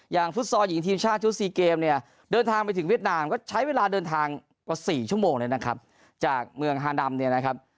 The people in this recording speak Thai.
ฟุตซอลหญิงทีมชาติชุด๔เกมเนี่ยเดินทางไปถึงเวียดนามก็ใช้เวลาเดินทางกว่า๔ชั่วโมงเลยนะครับจากเมืองฮาดำเนี่ยนะครับ